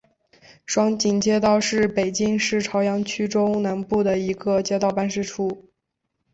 双井街道是北京市朝阳区中南部的一个街道办事处。